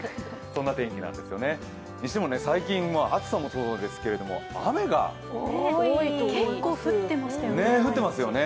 そんな天気なんですよね、にしても最近、暑さもそうですけれども、雨が降ってますよね。